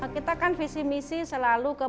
kita kan visi misi selalu ke